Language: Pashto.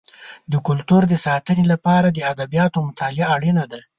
د کلتور د ساتنې لپاره د ادبیاتو مطالعه اړینه ده.